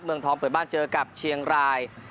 เมืองทองเปิดบ้านเจอกับเชียงราย